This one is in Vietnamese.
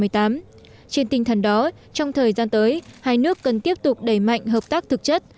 trên tinh thần đó trong thời gian tới hai nước cần tiếp tục đẩy mạnh hợp tác thực chất